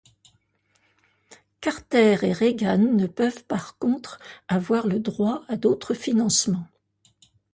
Carter et Reagan ne peuvent par contre avoir le droit à d'autres financements.